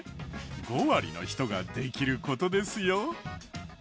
５割の人ができる事ですよ。